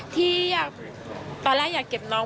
ที่อยากตอนแรกอยากเก็บน้อง